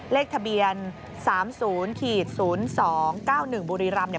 เลขทะเบียน๓๐๐๒๙๑บุรีรำเนี่ย